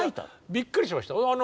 びっくりしました。